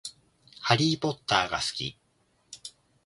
ハリーポッターが好き